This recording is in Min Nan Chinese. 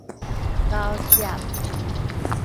交接